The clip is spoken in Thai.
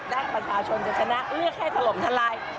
และประชาชนจะชนะเลือกให้ถล่มทลาย